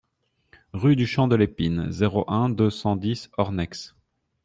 Rue du Champ de l'Épine, zéro un, deux cent dix Ornex